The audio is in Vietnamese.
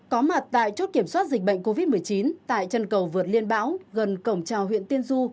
có mặt tại chốt kiểm soát dịch bệnh covid một mươi chín tại chân cầu vượt liên bão gần cổng trào huyện tiên du